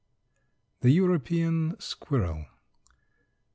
] THE EUROPEAN SQUIRREL.